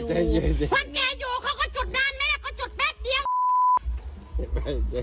คนแก่อยู่เขาก็จุดนานไหมละเขาจุดแป๊บเดียว